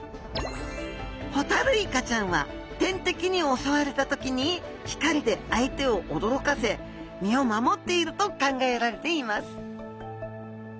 ホタルイカちゃんは天敵に襲われた時に光で相手を驚かせ身を守っていると考えられています